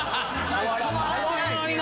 変わらないな！